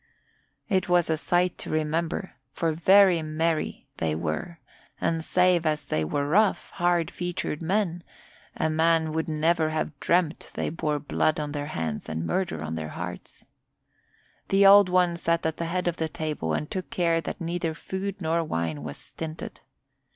It was a sight to remember, for very merry they were and save as they were rough, hard featured men, a man would never have dreamed they bore blood on their hands and murder on their hearts. The Old One sat at the head of the table and took care that neither food nor wine was stinted.